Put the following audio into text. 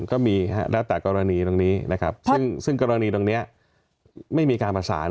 ก็มีแล้วแต่กรณีตรงนี้นะครับซึ่งกรณีตรงนี้ไม่มีการประสาน